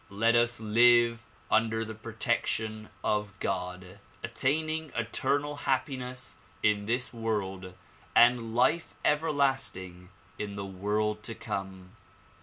Let us live under the protection of God, attaining eternal happiness in this world and life everlasting in the Avorld to come.